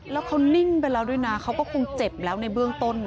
แล้วเขานิ่งไปแล้วด้วยนะเขาก็คงเจ็บแล้วในเบื้องต้นนะ